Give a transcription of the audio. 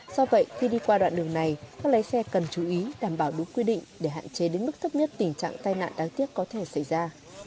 do vậy khi đi qua đoạn đường này các lái xe cần chú ý đảm bảo đúng quy định để hạn chế đến mức thấp nhất tình trạng tai nạn đáng tiếc có thể xảy ra